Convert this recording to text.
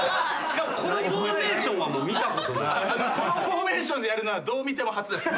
このフォーメーションでやるのはどう見ても初ですね。